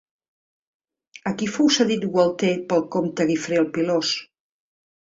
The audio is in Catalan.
A qui fou cedit Gualter pel comte Guifre el Pilós?